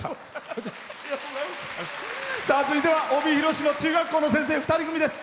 続いては帯広市の中学校の先生２人組です。